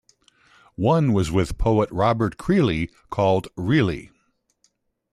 One was with poet Robert Creeley called "Really!".